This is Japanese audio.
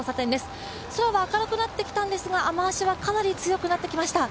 空は明るくなってきたんですが、雨足はかなり強くなってきました。